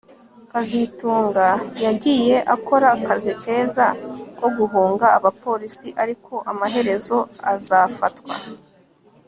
kazitunga yagiye akora akazi keza ko guhunga abapolisi ariko amaherezo azafatwa